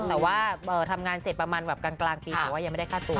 แต่ว่าทำงานเสร็จประมาณแบบกลางปีแต่ว่ายังไม่ได้ค่าตัว